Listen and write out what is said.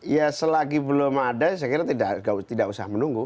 ya selagi belum ada saya kira tidak usah menunggu